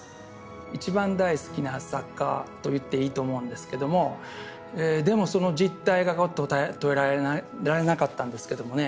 一番大好きな作家と言っていいと思うんですけどもでもその実態が捉えられなかったんですけどもね